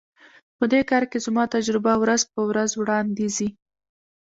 په دې کار کې زما تجربه ورځ په ورځ وړاندي ځي.